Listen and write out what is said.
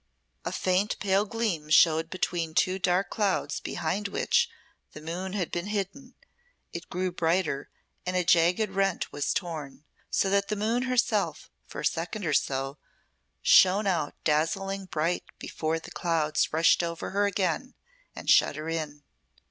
A faint pale gleam showed between two dark clouds behind which the moon had been hidden; it grew brighter, and a jagged rent was torn, so that the moon herself for a second or so shone out dazzling bright before the clouds rushed over her again and shut her in.